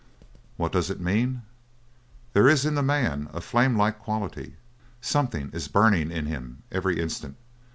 "What does it mean? There is in the man a flame like quality; something is burning in him every instant.